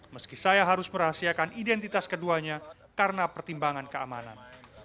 meski saya harus merahasiakan identitas keduanya karena pertimbangan keamanan